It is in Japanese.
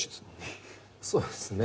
そうですね。